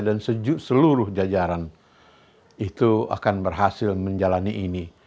dan seluruh jajaran itu akan berhasil menjalani ini